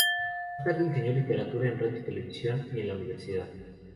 Más tarde, enseñó literatura en radio y televisión y en la universidad.